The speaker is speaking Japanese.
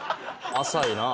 浅いなあ。